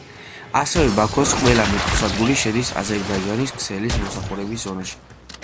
ასევე, ბაქოს ყველა მეტროსადგური შედის აზერბაიჯანის ქსელის მომსახურების ზონაში.